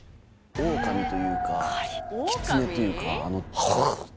オオカミというかキツネというか。